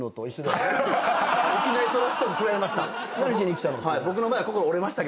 いきなりトラッシュトーク食らいました。